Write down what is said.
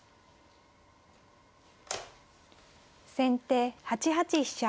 先手８八飛車。